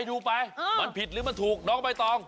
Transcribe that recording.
ยูไปมันผิดหรือมันถูกน้องใบตอง